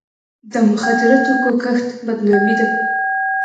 د مخدره توکو کښت بدنامي ده.